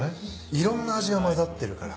いろんな味が混ざってるから。